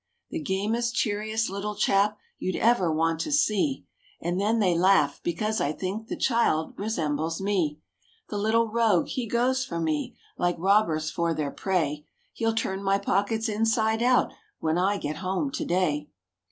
The gamest, cheeriest little chap, you'd ever want to see! And then they laugh, because I think the child resembles me. The little rogue! he goes for me, like robbers for their prey; He'll turn my pockets inside out, when I get home to day.